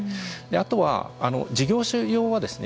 あとは事業者用はですね